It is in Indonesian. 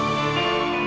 aku mau ke rumah